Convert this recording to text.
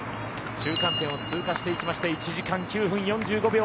中間点を通過していきまして１時間９分４５秒。